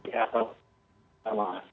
ya pak maaf